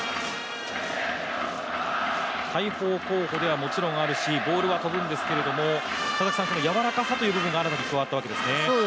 大砲候補ではもちろんあるしボールももちろん飛ぶんですけど柔らかさというのが加わったわけですね。